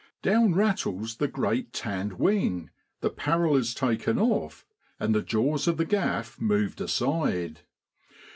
Down rattles the great tanned wing, the parrel is taken off, and the jaws of the gaff moved aside.